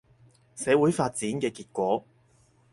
社會發展嘅結果